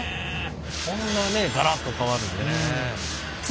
こんなねがらっと変わるんやね。